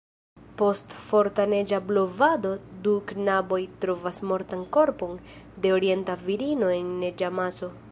Post forta neĝa blovado, du knaboj trovas mortan korpon de orienta virino en neĝamaso.